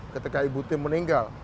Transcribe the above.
ketika ibu tim meninggal